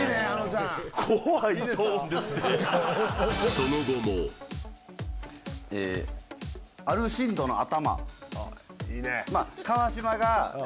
その後も「アルシンドの頭」